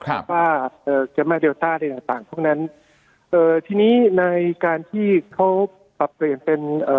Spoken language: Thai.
หรือว่าเอ่อแกมาเลต้าอะไรต่างต่างพวกนั้นเอ่อทีนี้ในการที่เขาปรับเปลี่ยนเป็นเอ่อ